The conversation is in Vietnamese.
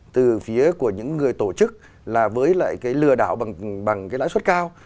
từ phía của những người tổ chức là với lại cái lừa đảo bằng cái lãi suất cao